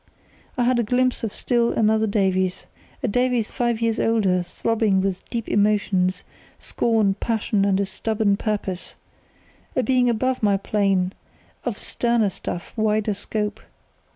I had just a glimpse of still another Davies—a Davies five years older throbbing with deep emotions, scorn, passion, and stubborn purpose; a being above my plane, of sterner stuff, wider scope.